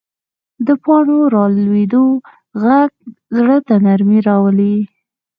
د پاڼو رالوېدو غږ زړه ته نرمي راولي